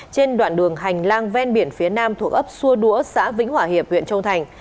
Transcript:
trên đoạn đường hành lang ven biển phía nam thuộc ấp xua đũa xã vĩnh hòa hiệp huyện châu thành